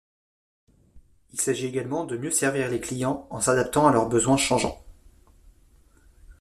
Il s'agit également de mieux servir les clients en s’adaptant à leurs besoins changeants.